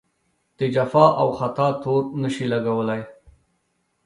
د جفا او خطا تور نه شي لګولای.